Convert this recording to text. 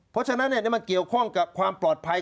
เพราะฉะนั้นมันเกี่ยวข้องกับความปลอดภัย